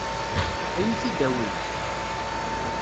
Ad iyi-t-id-awint?